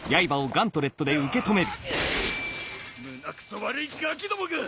胸くそ悪いガキどもが！